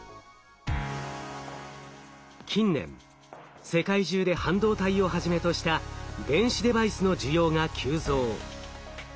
近年世界中で半導体をはじめとした電子デバイスの需要が急増。